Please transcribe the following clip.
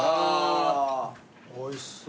おいしそう。